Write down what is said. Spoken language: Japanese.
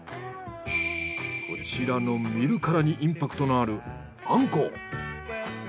こちらの見るからにインパクトのあるアンコウ。